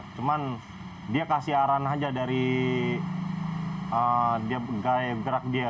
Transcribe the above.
cuman dia beri arahan saja dari gaya gerak dia